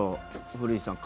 古市さん。